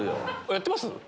やってます